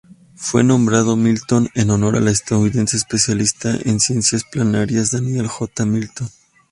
Fue nombrado Milton en honor al estadounidense especialista en ciencias planetarias Daniel J. Milton.